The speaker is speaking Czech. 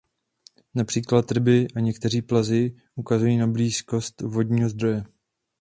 Například ryby a někteří plazi ukazují na blízkost vodního zdroje.